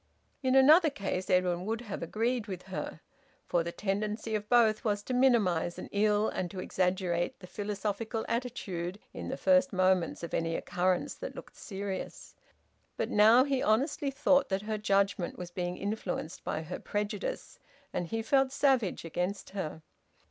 In another case Edwin would have agreed with her, for the tendency of both was to minimise an ill and to exaggerate the philosophical attitude in the first moments of any occurrence that looked serious. But now he honestly thought that her judgement was being influenced by her prejudice, and he felt savage against her.